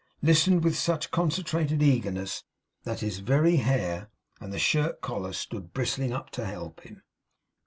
Listened with such concentrated eagerness, that his very hair and shirt collar stood bristling up to help him.